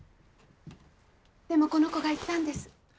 でもこの子が言ったんです。